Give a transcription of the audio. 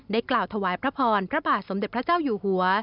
กล่าวถวายพระพรพระบาทสมเด็จพระเจ้าอยู่หัว